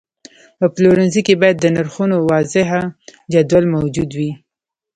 په پلورنځي کې باید د نرخونو واضحه جدول موجود وي.